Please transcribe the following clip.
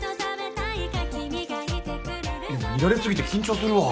見られすぎて緊張するわ。